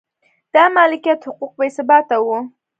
د مالکیت حقوق بې ثباته و.